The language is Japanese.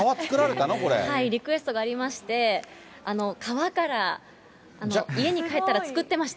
はい、リクエストがありまして、皮から、家に帰ったら作ってました。